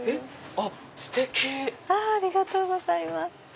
ありがとうございます。